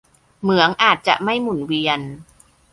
เหมืองอาจจะไม่หมุนเวียน